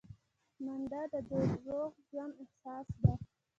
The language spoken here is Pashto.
منډه د روغ ژوند اساس ده